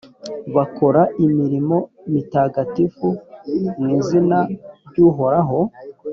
bakora imirimo mitagatifu mu izina ry’uhoraho.